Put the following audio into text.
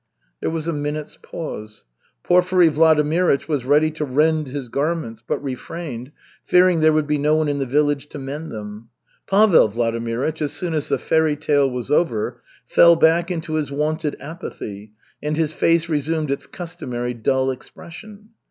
There was a minute's pause. Porfiry Vladimirych was ready to rend his garments, but refrained, fearing there would be no one in the village to mend them. Pavel Vladimirych, as soon as the fairy tale was over, fell back into his wonted apathy, and his face resumed its customary dull expression.